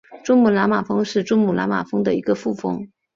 珠穆朗玛南峰是珠穆朗玛峰的一个副峰。